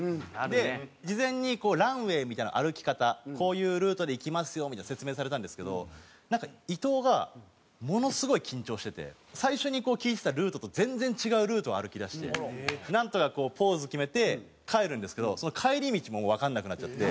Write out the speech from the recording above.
で事前にランウェーみたいな歩き方こういうルートで行きますよみたいなの説明されたんですけどなんか伊藤がものすごい緊張してて最初に聞いてたルートと全然違うルートを歩きだしてなんとかこうポーズ決めて帰るんですけど帰り道もわかんなくなっちゃって。